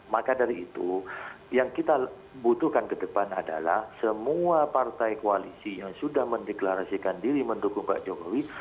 maka dari itu yang kita butuhkan ke depan adalah semua partai koalisi yang sudah mendeklarasikan diri mendukung pak jokowi